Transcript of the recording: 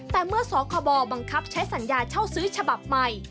แต่เมื่อสคบบังคับใช้สัญญาเช่าซื้อฉบับใหม่